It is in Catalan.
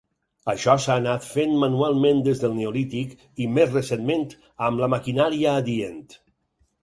Això s'ha anat fent manualment des del Neolític i més recentment amb la maquinària adient.